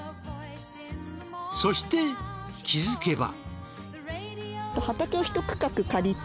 そして気づけば。